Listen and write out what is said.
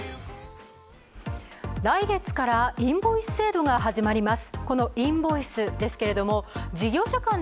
来月からインボイス制度が始まります。